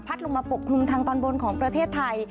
ลงมาปกคลุมทางตอนบนของประเทศไทย